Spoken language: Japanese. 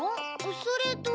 それと。